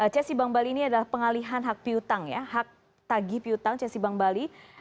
cesi bank bali ini adalah pengalihan hak piutang ya hak tagih piutang cesi bank bali